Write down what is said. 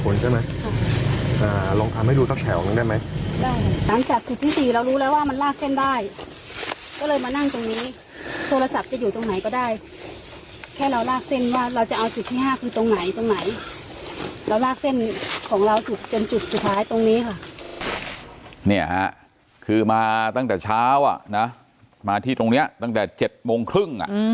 นี่ฮะคือมาตั้งแต่เช้ามาที่ตรงนี้ตั้งแต่๗โมงครึ่ง